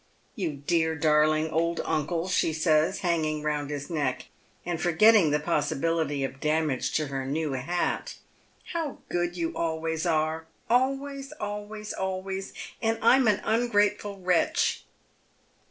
" You dear, darling old uncle," she says, hanging round his neck, and forgetting the possibility of damage to her new hat, " how good you always are !— always — always — always, and I'm an ungrateful wretch."